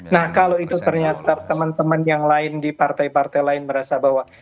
nah kalau itu ternyata teman teman yang lain di partai partai lain merasa bahwa